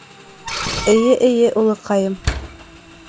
— Эйе, эйе, улыҡайым.